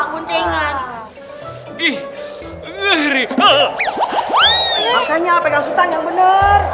makanya pegang setang yang bener